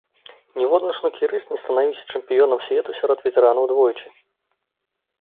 Ніводны снукерыст не станавіўся чэмпіёнам свету сярод ветэранаў двойчы.